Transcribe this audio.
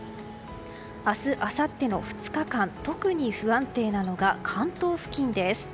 明日、あさっての２日間特に不安定なのが関東付近です。